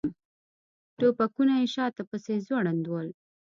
ټوپکونه یې شاته پسې ځوړند ول.